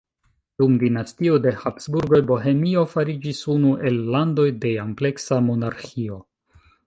Dum dinastio de Habsburgoj Bohemio fariĝis unu el landoj de ampleksa monarĥio.